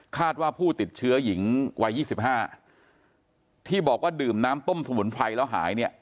ว่าผู้ติดเชื้อหญิงวัย๒๕ที่บอกว่าดื่มน้ำต้มสมุนไพรแล้วหายเนี่ย